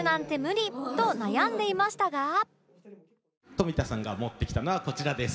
富田さんが持ってきたのはこちらです。